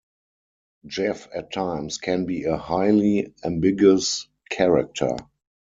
Jeff at times can be a highly ambiguous character.